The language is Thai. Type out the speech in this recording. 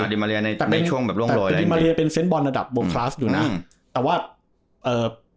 ดิมาเรียในช่วงแบบร่วงโรยอะไรอย่างเงี้ยดิมาเรียเป็นเซ็นต์บอลระดับบวกคลาสดูนะอืมแต่ว่าเอ่อ